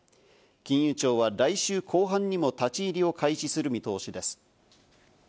金融庁は、来週後半にも立ち入りを開始する見通しです。